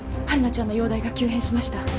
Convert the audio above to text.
晴汝ちゃんの容体が急変しました。